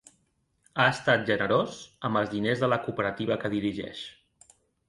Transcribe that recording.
Ha estat generós amb els diners de la cooperativa que dirigeix.